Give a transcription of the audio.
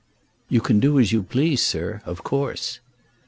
"You can do as you please, sir, of course."